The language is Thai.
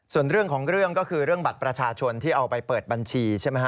ส่วนเรื่องของเรื่องก็คือเรื่องบัตรประชาชนที่เอาไปเปิดบัญชีใช่ไหมฮะ